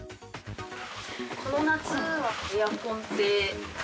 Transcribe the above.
この夏はエアコンって。